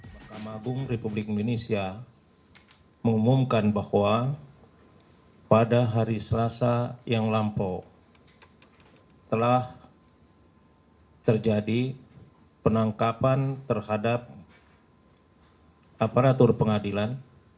pertama bum republik indonesia mengumumkan bahwa pada hari selasa yang lampau telah terjadi penangkapan terhadap aparatur pengadilan